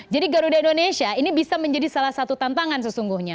jadi garuda indonesia ini bisa menjadi salah satu tantangan sesungguhnya